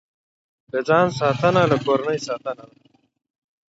له ځان ساتنه، له کورنۍ ساتنه ده.